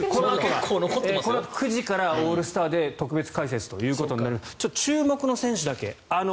このあと９時からオールスターで特別解説ということで注目の選手だけ。